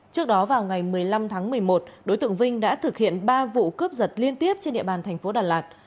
trước đó vào ngày một mươi năm tháng một mươi một đối tượng vinh đã thực hiện ba vụ cướp giật liên tiếp trên địa bàn thành phố đà lạt